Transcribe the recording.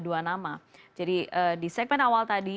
dua nama jadi di segmen awal tadi